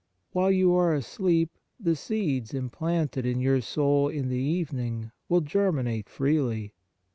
While you are asleep, the seeds implanted in your soul in the evening will germinate freely.